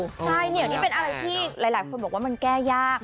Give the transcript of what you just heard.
ใช่เนี่ยนี่เป็นอะไรที่หลายคนบอกว่ามันแก้ยาก